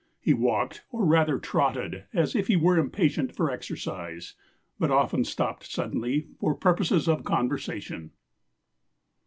He walked, or rather trotted, as if he were impatient for exercise; but often stopped suddenly for purposes of conversation."